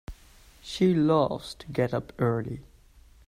She loves to get up early.